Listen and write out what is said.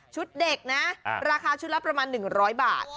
เด็กนะราคาชุดละประมาณ๑๐๐บาท